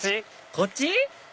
こっち？